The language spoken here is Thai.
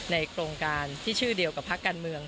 โครงการที่ชื่อเดียวกับภาคการเมือง